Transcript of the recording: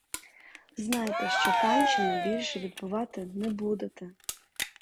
Знайте, що панщини більше відбувати не будете!